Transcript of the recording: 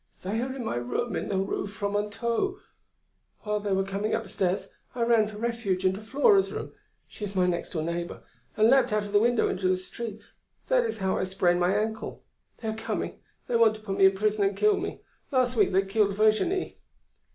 They are in my room in the Rue Fromenteau. While they were coming upstairs, I ran for refuge into Flora's room, she is my next door neighbour, and leapt out of the window into the street, that is how I sprained my ankle.... They are coming; they want to put me in prison and kill me.... Last week they killed Virginie."